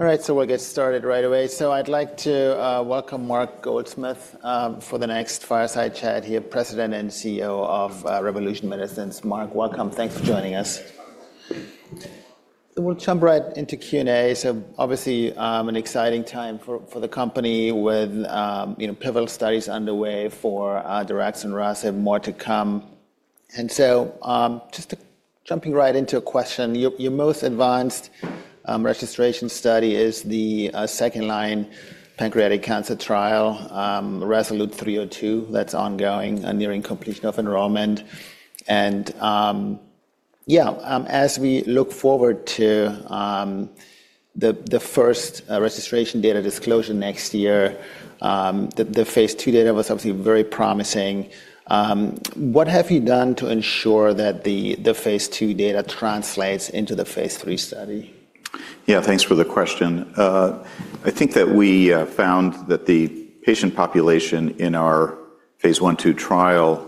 All right, so we'll get started right away. I'd like to welcome Mark Goldsmith for the next fireside chat here, President and CEO of Revolution Medicines. Mark, welcome. Thanks for joining us. We'll jump right into Q&A. Obviously, an exciting time for the company with pivotal studies underway for daraxonrasib and more to come. Just jumping right into a question, your most advanced registration study is the second line pancreatic cancer trial, RASolute 302, that's ongoing nearing completion of enrollment. As we look forward to the first registration data disclosure next year, the phase II data was obviously very promising. What have you done to ensure that the phase II data translates into the phase III study? Yeah, thanks for the question. I think that we found that the patient population in our phase I-II trial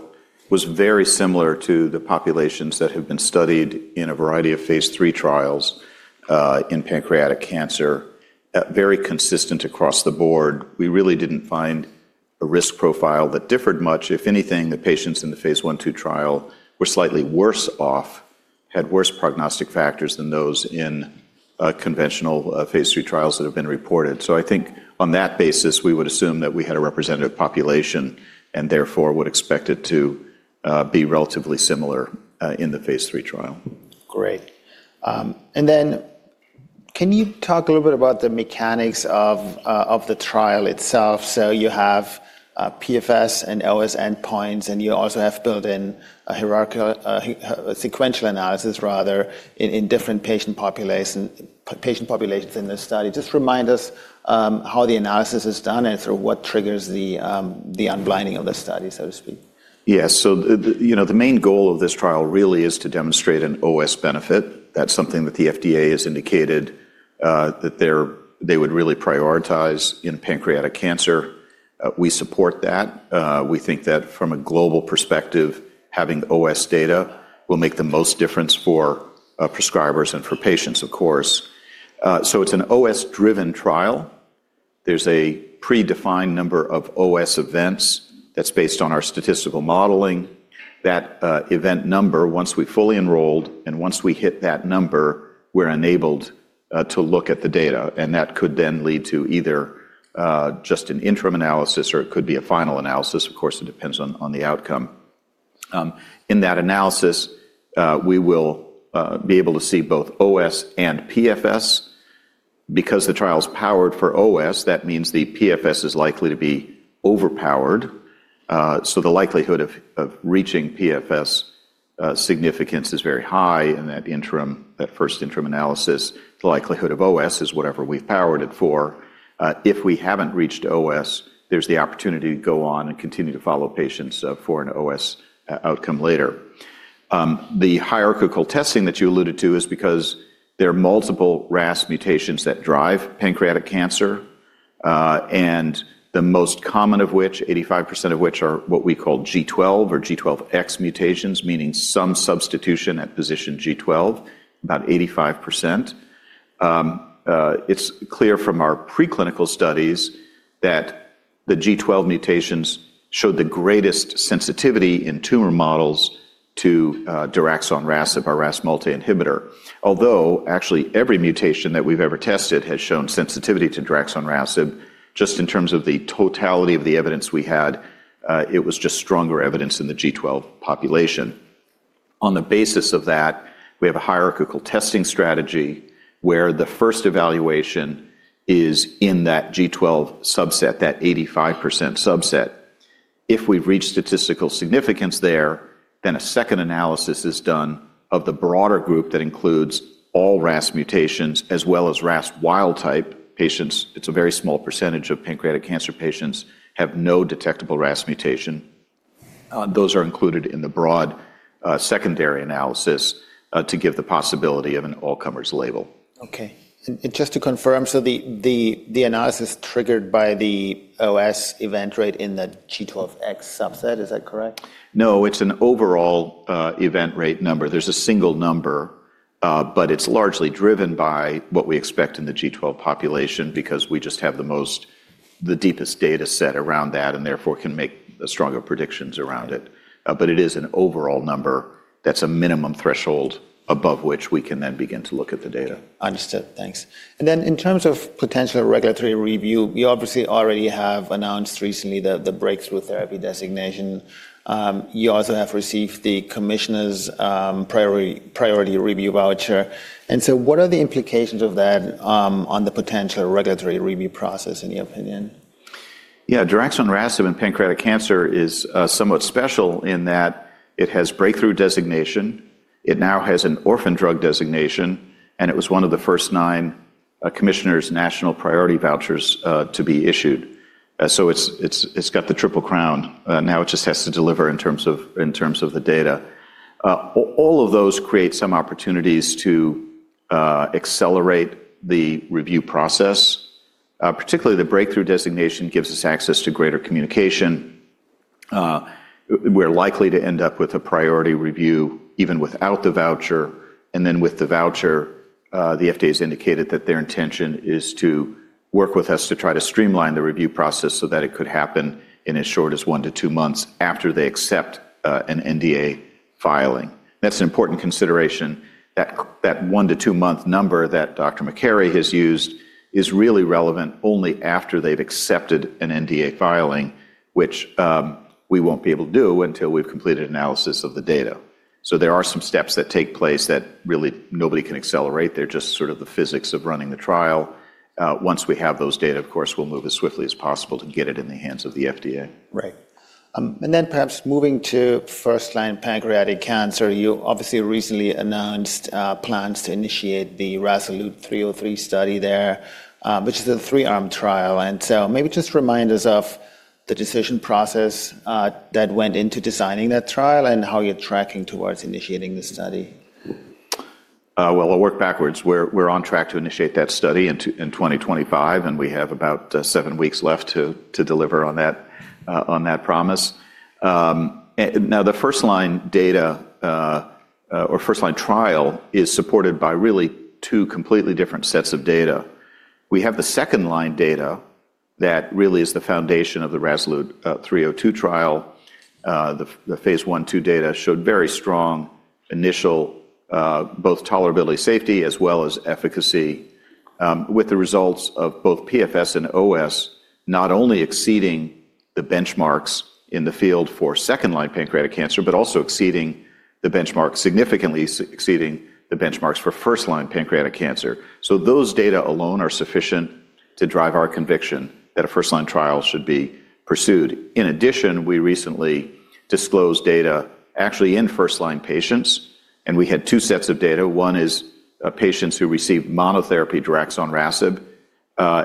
was very similar to the populations that have been studied in a variety of phase III trials in pancreatic cancer, very consistent across the board. We really did not find a risk profile that differed much. If anything, the patients in the phase I-II trial were slightly worse off, had worse prognostic factors than those in conventional phase III trials that have been reported. I think on that basis, we would assume that we had a representative population and therefore would expect it to be relatively similar in the phase III trial. Great. Can you talk a little bit about the mechanics of the trial itself? You have PFS and OS endpoints, and you also have built-in sequential analysis, rather, in different patient populations in this study. Just remind us how the analysis is done and sort of what triggers the unblinding of the study, so to speak. Yeah, so the main goal of this trial really is to demonstrate an OS benefit. That is something that the FDA has indicated that they would really prioritize in pancreatic cancer. We support that. We think that from a global perspective, having OS data will make the most difference for prescribers and for patients, of course. It is an OS-driven trial. There is a predefined number of OS events that is based on our statistical modeling. That event number, once we are fully enrolled and once we hit that number, we are enabled to look at the data. That could then lead to either just an interim analysis or it could be a final analysis. Of course, it depends on the outcome. In that analysis, we will be able to see both OS and PFS. Because the trial is powered for OS, that means the PFS is likely to be overpowered. The likelihood of reaching PFS significance is very high in that interim, that first interim analysis. The likelihood of OS is whatever we've powered it for. If we haven't reached OS, there's the opportunity to go on and continue to follow patients for an OS outcome later. The hierarchical testing that you alluded to is because there are multiple RAS mutations that drive pancreatic cancer, and the most common of which, 85% of which, are what we call G12 or G12X mutations, meaning some substitution at position G12, about 85%. It's clear from our preclinical studies that the G12 mutations showed the greatest sensitivity in tumor models to daraxonrasib, our RAS multi-inhibitor. Although actually every mutation that we've ever tested has shown sensitivity to daraxonrasib, just in terms of the totality of the evidence we had, it was just stronger evidence in the G12 population. On the basis of that, we have a hierarchical testing strategy where the first evaluation is in that G12 subset, that 85% subset. If we've reached statistical significance there, then a second analysis is done of the broader group that includes all RAS mutations as well as RAS wild type patients. It's a very small percentage of pancreatic cancer patients who have no detectable RAS mutation. Those are included in the broad secondary analysis to give the possibility of an all-comers label. Okay. Just to confirm, the analysis is triggered by the OS event rate in the G12X subset, is that correct? No, it's an overall event rate number. There's a single number, but it's largely driven by what we expect in the G12 population because we just have the deepest data set around that and therefore can make stronger predictions around it. It is an overall number that's a minimum threshold above which we can then begin to look at the data. Understood. Thanks. In terms of potential regulatory review, you obviously already have announced recently the breakthrough therapy designation. You also have received the commissioner's priority review voucher. What are the implications of that on the potential regulatory review process in your opinion? Yeah, daraxonrasib in pancreatic cancer is somewhat special in that it has breakthrough designation. It now has an orphan drug designation, and it was one of the first nine commissioner's national priority vouchers to be issued. It has the triple crown. Now it just has to deliver in terms of the data. All of those create some opportunities to accelerate the review process. Particularly, the breakthrough designation gives us access to greater communication. We're likely to end up with a priority review even without the voucher. With the voucher, the FDA has indicated that their intention is to work with us to try to streamline the review process so that it could happen in as short as one to two months after they accept an NDA filing. That's an important consideration. That one to two month number that Dr. McCarrey has used is really relevant only after they've accepted an NDA filing, which we won't be able to do until we've completed analysis of the data. There are some steps that take place that really nobody can accelerate. They're just sort of the physics of running the trial. Once we have those data, of course, we'll move as swiftly as possible to get it in the hands of the FDA. Right. And then perhaps moving to first line pancreatic cancer, you obviously recently announced plans to initiate the RASolute 303 study there, which is a three-arm trial. And so maybe just remind us of the decision process that went into designing that trial and how you're tracking towards initiating the study. We're on track to initiate that study in 2025, and we have about seven weeks left to deliver on that promise. Now, the first line data or first line trial is supported by really two completely different sets of data. We have the second line data that really is the foundation of the RASolute 302 trial. The phase I-II data showed very strong initial both tolerability, safety, as well as efficacy, with the results of both PFS and OS not only exceeding the benchmarks in the field for second line pancreatic cancer, but also exceeding the benchmarks, significantly exceeding the benchmarks for first line pancreatic cancer. Those data alone are sufficient to drive our conviction that a first line trial should be pursued. In addition, we recently disclosed data actually in first line patients, and we had two sets of data. One is patients who received monotherapy daraxonrasib,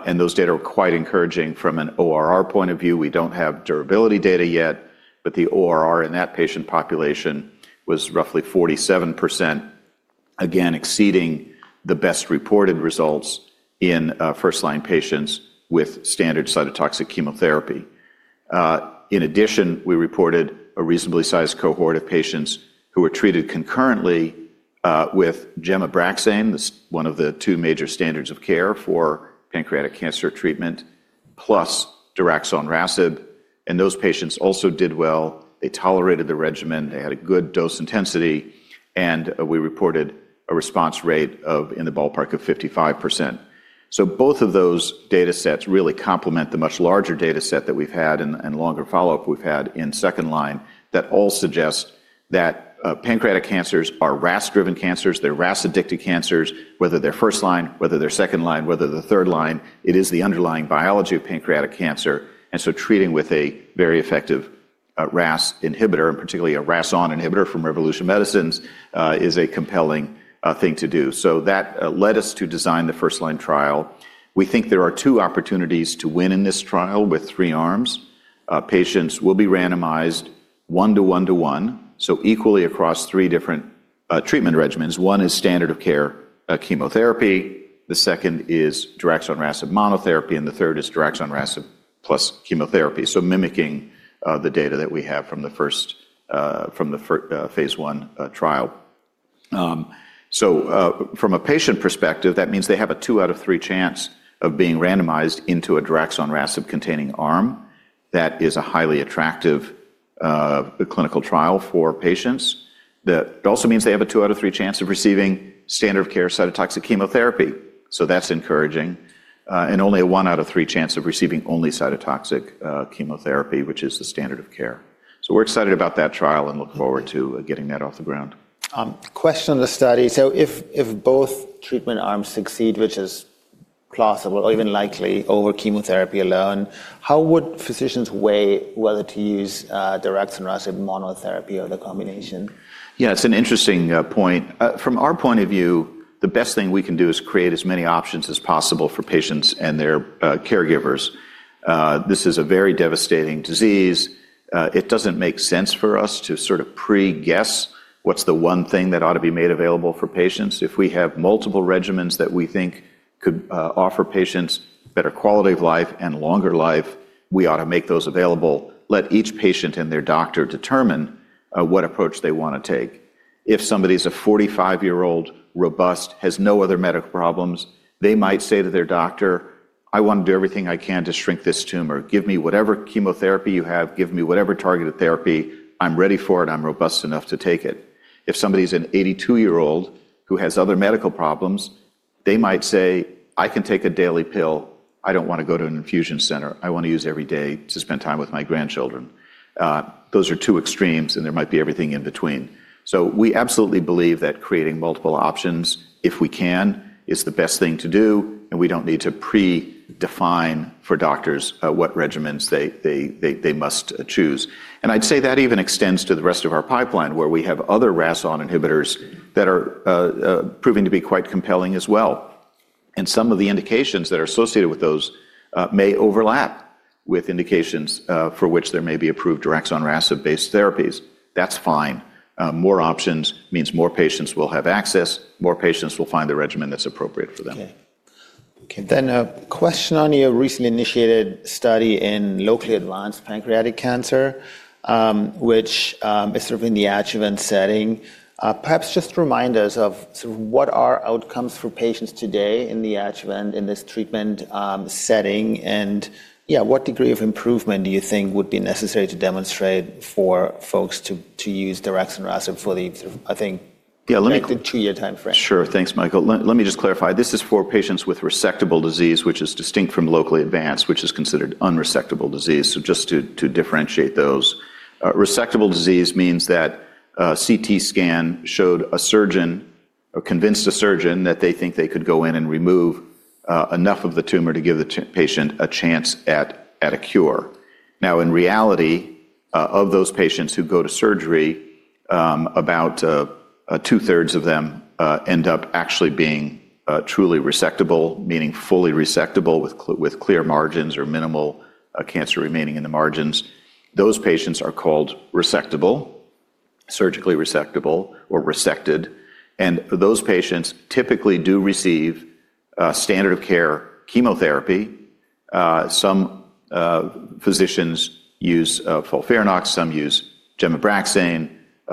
and those data are quite encouraging from an ORR point of view. We do not have durability data yet, but the ORR in that patient population was roughly 47%, again, exceeding the best reported results in first line patients with standard cytotoxic chemotherapy. In addition, we reported a reasonably sized cohort of patients who were treated concurrently with gemcitabine, one of the two major standards of care for pancreatic cancer treatment, plus daraxonrasib. Those patients also did well. They tolerated the regimen. They had a good dose intensity, and we reported a response rate in the ballpark of 55%. Both of those data sets really complement the much larger data set that we have had and longer follow-up we have had in second line that all suggest that pancreatic cancers are RAS-driven cancers. They're RAS-addicted cancers, whether they're first line, whether they're second line, whether they're third line. It is the underlying biology of pancreatic cancer. Treating with a very effective RAS inhibitor, and particularly a RAS(ON) inhibitor from Revolution Medicines, is a compelling thing to do. That led us to design the first line trial. We think there are two opportunities to win in this trial with three arms. Patients will be randomized one to one to one, so equally across three different treatment regimens. One is standard of care chemotherapy. The second is daraxonrasib monotherapy, and the third is daraxonrasib plus chemotherapy. Mimicking the data that we have from the first phase I trial. From a patient perspective, that means they have a two out of three chance of being randomized into a daraxonrasib-containing arm. That is a highly attractive clinical trial for patients. That also means they have a two out of three chance of receiving standard of care cytotoxic chemotherapy. That is encouraging. And only a one out of three chance of receiving only cytotoxic chemotherapy, which is the standard of care. We are excited about that trial and look forward to getting that off the ground. Question on the study. If both treatment arms succeed, which is plausible or even likely over chemotherapy alone, how would physicians weigh whether to use daraxonrasib monotherapy or the combination? Yeah, it's an interesting point. From our point of view, the best thing we can do is create as many options as possible for patients and their caregivers. This is a very devastating disease. It doesn't make sense for us to sort of pre-guess what's the one thing that ought to be made available for patients. If we have multiple regimens that we think could offer patients better quality of life and longer life, we ought to make those available. Let each patient and their doctor determine what approach they want to take. If somebody's a 45-year-old, robust, has no other medical problems, they might say to their doctor, "I want to do everything I can to shrink this tumor. Give me whatever chemotherapy you have. Give me whatever targeted therapy. I'm ready for it. I'm robust enough to take it." If somebody's an 82-year-old who has other medical problems, they might say, "I can take a daily pill. I don't want to go to an infusion center. I want to use every day to spend time with my grandchildren." Those are two extremes, and there might be everything in between. We absolutely believe that creating multiple options, if we can, is the best thing to do, and we don't need to pre-define for doctors what regimens they must choose. I'd say that even extends to the rest of our pipeline where we have other RAS(ON) inhibitors that are proving to be quite compelling as well. Some of the indications that are associated with those may overlap with indications for which there may be approved daraxonrasib-based therapies. That's fine. More options means more patients will have access. More patients will find the regimen that's appropriate for them. Okay. Then a question on your recently initiated study in locally advanced pancreatic cancer, which is sort of in the adjuvant setting. Perhaps just remind us of sort of what are outcomes for patients today in the adjuvant in this treatment setting and, yeah, what degree of improvement do you think would be necessary to demonstrate for folks to use daraxonrasib for the, I think, the two-year timeframe? Yeah, let me—sure. Thanks, Michael. Let me just clarify. This is for patients with resectable disease, which is distinct from locally advanced, which is considered unresectable disease. Just to differentiate those, resectable disease means that a CT scan showed a surgeon or convinced a surgeon that they think they could go in and remove enough of the tumor to give the patient a chance at a cure. Now, in reality, of those patients who go to surgery, about two-thirds of them end up actually being truly resectable, meaning fully resectable with clear margins or minimal cancer remaining in the margins. Those patients are called resectable, surgically resectable, or resected. Those patients typically do receive standard of care chemotherapy. Some physicians use FOLFIRINOX. Some use gemcitabine.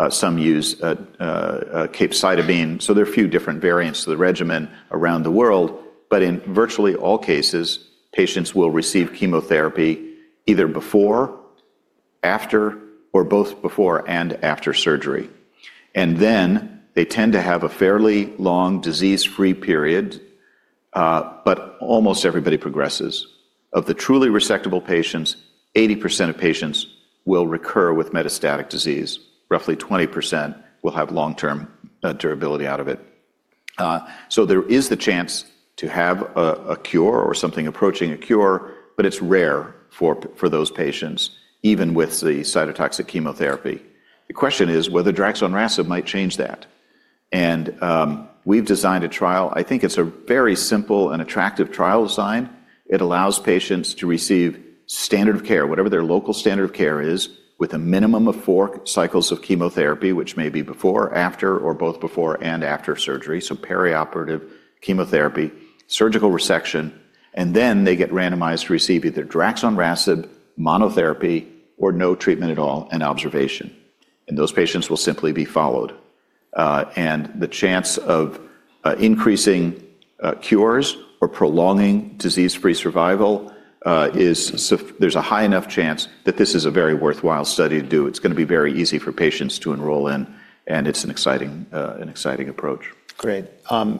Some use capecitabine. There are a few different variants of the regimen around the world, but in virtually all cases, patients will receive chemotherapy either before, after, or both before and after surgery. They tend to have a fairly long disease-free period, but almost everybody progresses. Of the truly resectable patients, 80% of patients will recur with metastatic disease. Roughly 20% will have long-term durability out of it. There is the chance to have a cure or something approaching a cure, but it's rare for those patients, even with the cytotoxic chemotherapy. The question is whether daraxonrasib might change that. We've designed a trial. I think it's a very simple and attractive trial design. It allows patients to receive standard of care, whatever their local standard of care is, with a minimum of four cycles of chemotherapy, which may be before, after, or both before and after surgery. Perioperative chemotherapy, surgical resection, and then they get randomized to receive either daraxonrasib monotherapy or no treatment at all and observation. Those patients will simply be followed. The chance of increasing cures or prolonging disease-free survival is there's a high enough chance that this is a very worthwhile study to do. It's going to be very easy for patients to enroll in, and it's an exciting approach. Great.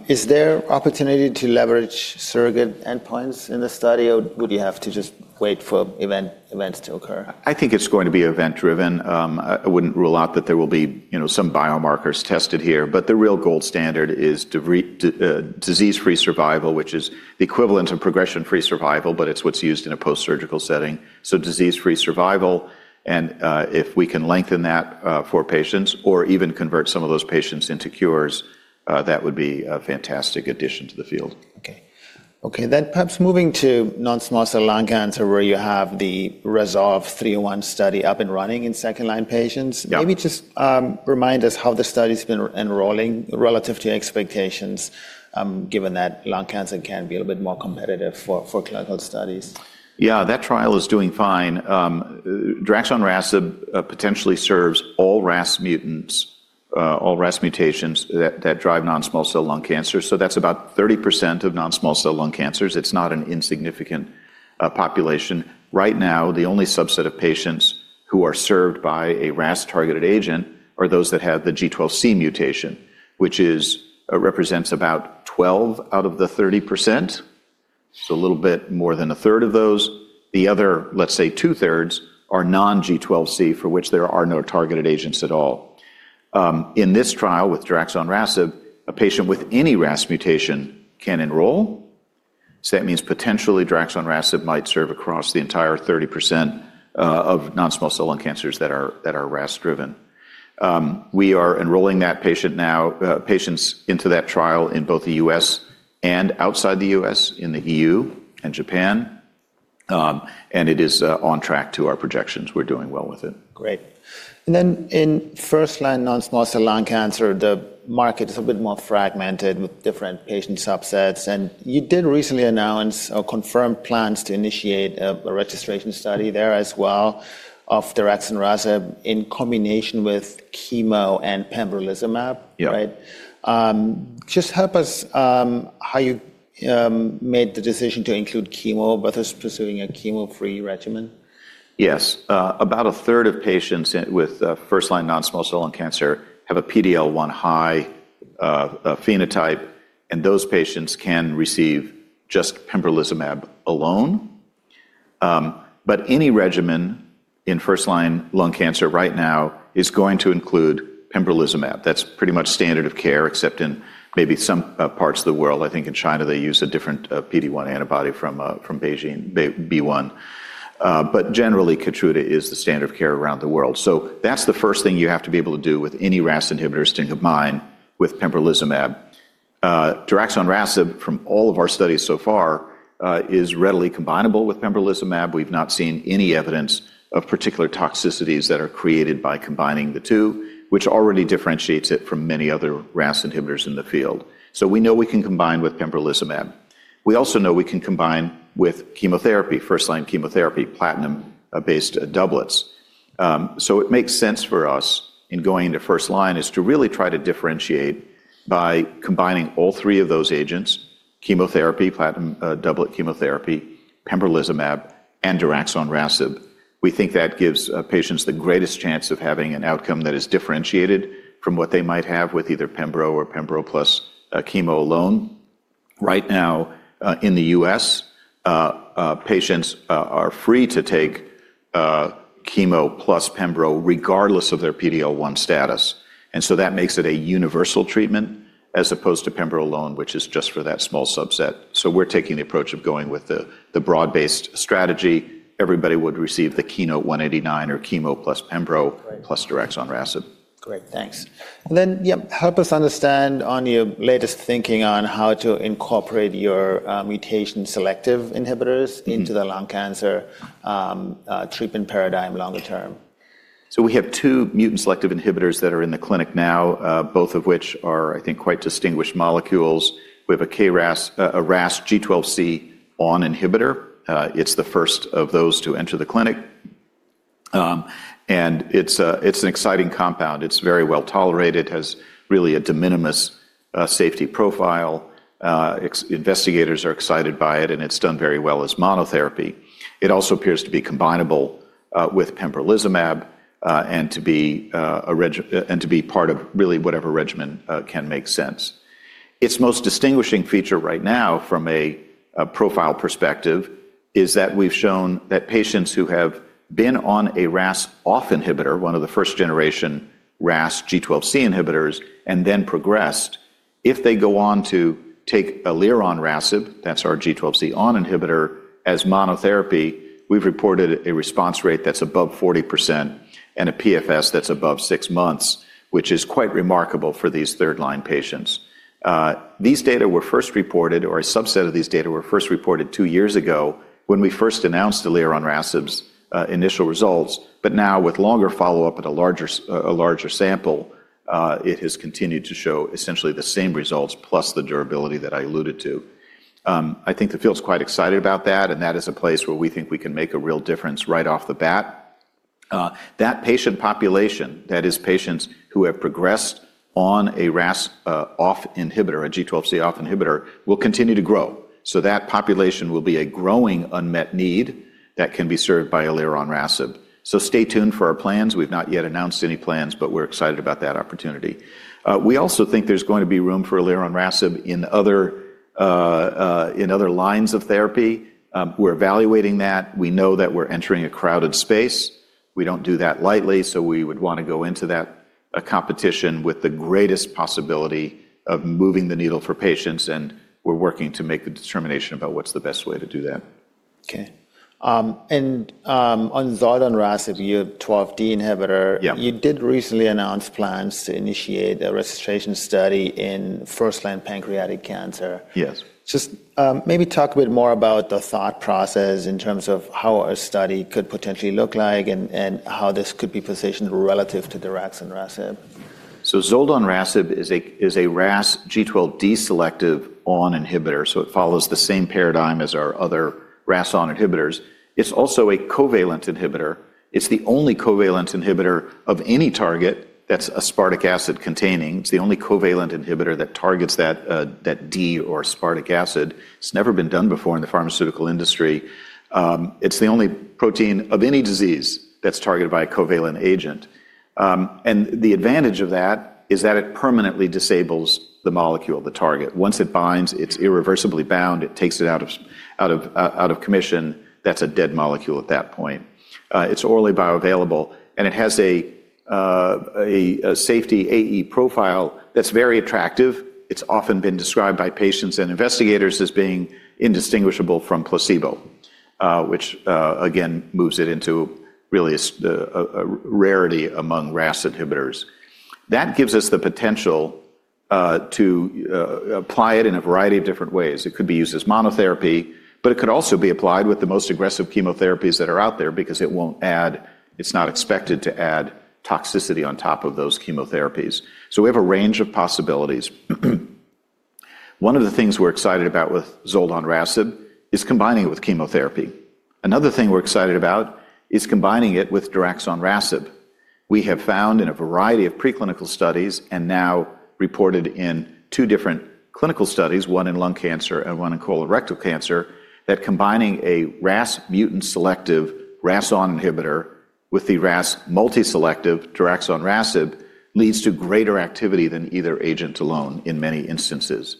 Is there opportunity to leverage surrogate endpoints in the study, or would you have to just wait for events to occur? I think it's going to be event-driven. I wouldn't rule out that there will be some biomarkers tested here, but the real gold standard is disease-free survival, which is the equivalent of progression-free survival, but it's what's used in a post-surgical setting. Disease-free survival, and if we can lengthen that for patients or even convert some of those patients into cures, that would be a fantastic addition to the field. Okay. Okay. Then perhaps moving to non-small cell lung cancer, where you have the RASolute 301 study up and running in second line patients. Maybe just remind us how the study's been enrolling relative to expectations, given that lung cancer can be a little bit more competitive for clinical studies. Yeah, that trial is doing fine. Daraxonrasib potentially serves all RAS mutants, all RAS mutations that drive non-small cell lung cancers. So that's about 30% of non-small cell lung cancers. It's not an insignificant population. Right now, the only subset of patients who are served by a RAS-targeted agent are those that have the G12C mutation, which represents about 12 out of the 30%. It's a little bit more than 1/3 of those. The other, let's say, 2/3 are non-G12C, for which there are no targeted agents at all. In this trial with daraxonrasib, a patient with any RAS mutation can enroll. That means potentially daraxonrasib might serve across the entire 30% of non-small cell lung cancers that are RAS-driven. We are enrolling that patient now, patients into that trial in both the U.S. and outside the U.S. in the EU and Japan. It is on track to our projections. We're doing well with it. Great. In first line non-small cell lung cancer, the market is a bit more fragmented with different patient subsets. You did recently announce or confirm plans to initiate a registration study there as well of daraxonrasib in combination with chemo and pembrolizumab, right? Yeah. Just help us how you made the decision to include chemo versus pursuing a chemo-free regimen. Yes. About 1/3 of patients with first line non-small cell lung cancer have a PD-L1 high phenotype, and those patients can receive just pembrolizumab alone. Any regimen in first line lung cancer right now is going to include pembrolizumab. That's pretty much standard of care, except in maybe some parts of the world. I think in China, they use a different PD-1 antibody from Beijing, B1. Generally, KEYTRUDA is the standard of care around the world. That's the first thing you have to be able to do with any RAS inhibitor is to combine with pembrolizumab. Daraxonrasib, from all of our studies so far, is readily combinable with pembrolizumab. We've not seen any evidence of particular toxicities that are created by combining the two, which already differentiates it from many other RAS inhibitors in the field. We know we can combine with pembrolizumab. We also know we can combine with chemotherapy, first line chemotherapy, platinum-based doublets. It makes sense for us in going into first line to really try to differentiate by combining all three of those agents: chemotherapy, platinum doublet chemotherapy, pembrolizumab, and daraxonrasib. We think that gives patients the greatest chance of having an outcome that is differentiated from what they might have with either pembro or pembro plus chemo alone. Right now, in the U.S., patients are free to take chemo plus pembro regardless of their PD-L1 status. That makes it a universal treatment as opposed to pembro alone, which is just for that small subset. We are taking the approach of going with the broad-based strategy. Everybody would receive the KEYNOTE-189 or chemo plus pembro plus daraxonrasib. Great. Thanks. Yeah, help us understand on your latest thinking on how to incorporate your mutation selective inhibitors into the lung cancer treatment paradigm longer term. We have two mutant selective inhibitors that are in the clinic now, both of which are, I think, quite distinguished molecules. We have a KRAS, a RAS G12C ON inhibitor. It's the first of those to enter the clinic. It's an exciting compound. It's very well tolerated. It has really a de minimis safety profile. Investigators are excited by it, and it's done very well as monotherapy. It also appears to be combinable with pembrolizumab and to be part of really whatever regimen can make sense. Its most distinguishing feature right now from a profile perspective is that we've shown that patients who have been on a RAS off inhibitor, one of the first-generation RAS G12C inhibitors, and then progressed, if they go on to take elironrasib, that's our G12C(ON) inhibitor, as monotherapy, we've reported a response rate that's above 40% and a PFS that's above six months, which is quite remarkable for these third line patients. These data were first reported, or a subset of these data were first reported two years ago when we first announced elironrasib's initial results. Now, with longer follow-up at a larger sample, it has continued to show essentially the same results plus the durability that I alluded to. I think the field's quite excited about that, and that is a place where we think we can make a real difference right off the bat. That patient population, that is, patients who have progressed on a RAS(OFF) inhibitor, a G12C(OFF) inhibitor, will continue to grow. That population will be a growing unmet need that can be served by elironrasib. Stay tuned for our plans. We've not yet announced any plans, but we're excited about that opportunity. We also think there's going to be room for elironrasib in other lines of therapy. We're evaluating that. We know that we're entering a crowded space. We don't do that lightly, so we would want to go into that competition with the greatest possibility of moving the needle for patients, and we're working to make the determination about what's the best way to do that. Okay. On zoldonrasib, your 12D inhibitor, you did recently announce plans to initiate a registration study in first-line pancreatic cancer. Yes. Just maybe talk a bit more about the thought process in terms of how a study could potentially look like and how this could be positioned relative to daraxonrasib. Zoldonrasib is a RAS G12D-selective (ON) inhibitor, so it follows the same paradigm as our other RAS(ON) inhibitors. It is also a covalent inhibitor. It is the only covalent inhibitor of any target that is aspartic acid containing. It is the only covalent inhibitor that targets that D or aspartic acid. It has never been done before in the pharmaceutical industry. It is the only protein of any disease that is targeted by a covalent agent. The advantage of that is that it permanently disables the molecule, the target. Once it binds, it is irreversibly bound. It takes it out of commission. That is a dead molecule at that point. It is orally bioavailable, and it has a safety AE profile that is very attractive. It has often been described by patients and investigators as being indistinguishable from placebo, which again moves it into really a rarity among RAS inhibitors. That gives us the potential to apply it in a variety of different ways. It could be used as monotherapy, but it could also be applied with the most aggressive chemotherapies that are out there because it won't add, it's not expected to add toxicity on top of those chemotherapies. We have a range of possibilities. One of the things we're excited about with zoldonrasib is combining it with chemotherapy. Another thing we're excited about is combining it with daraxonrasib. We have found in a variety of preclinical studies and now reported in two different clinical studies, one in lung cancer and one in colorectal cancer, that combining a RAS mutant selective RAS(ON) inhibitor with the RAS multi-selective daraxonrasib leads to greater activity than either agent alone in many instances.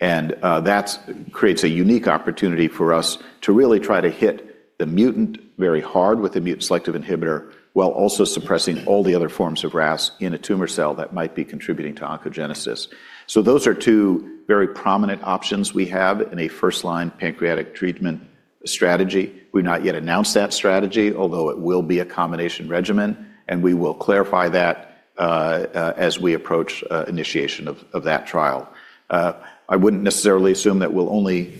That creates a unique opportunity for us to really try to hit the mutant very hard with the mutant selective inhibitor while also suppressing all the other forms of RAS in a tumor cell that might be contributing to oncogenesis. Those are two very prominent options we have in a first line pancreatic treatment strategy. We've not yet announced that strategy, although it will be a combination regimen, and we will clarify that as we approach initiation of that trial. I wouldn't necessarily assume that we'll only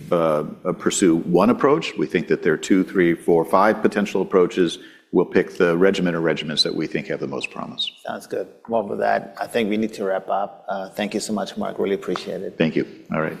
pursue one approach. We think that there are two, three, four, five potential approaches. We'll pick the regimen or regimens that we think have the most promise. Sounds good. With that, I think we need to wrap up. Thank you so much, Mark. Really appreciate it. Thank you. All right.